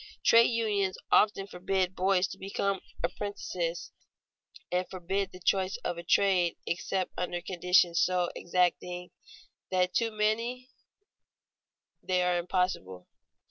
Trade unions often forbid boys to become apprentices, and forbid the choice of a trade except under conditions so exacting that to many they are impossible.